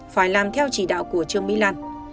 phải làm theo chỉ đạo của trương mỹ lan